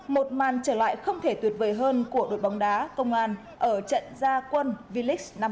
một màn trở lại không thể tuyệt vời hơn của đội bóng đá công an ở trận gia quân village năm hai nghìn hai mươi ba